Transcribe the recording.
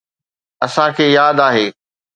اسان کي ياد آهي.